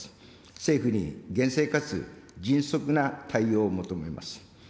政府に厳正かつ迅速な対応を求めます。